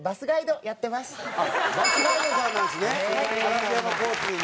バスガイドさんなんですね嵐山交通の。